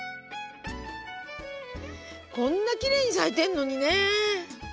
こんなきれいに咲いてるのにね。